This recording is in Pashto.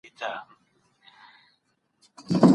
پوښتنه وکړئ چي څنګه خپل ځان بدل کړم.